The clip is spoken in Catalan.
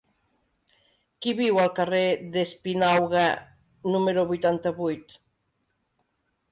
Qui viu al carrer d'Espinauga número vuitanta-vuit?